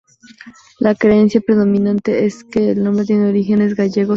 La creencia predominante es que el nombre tiene orígenes gallegos o judíos.